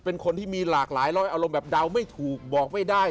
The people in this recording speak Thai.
เป็นคนที่มีหลากหลายร้อยอารมณ์แบบเดาไม่ถูกบอกไม่ได้